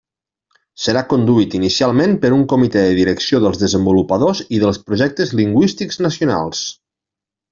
Serà conduït inicialment per un Comitè de Direcció dels desenvolupadors i dels projectes lingüístics nacionals.